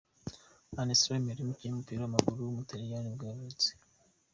Alessandro Melli, umukinnyi w’umupira w’amaguru w’umutaliyani nibwo yavutse.